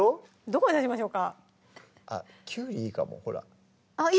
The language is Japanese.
どこへ刺しましょうかあっきゅうりいいかもほらあっ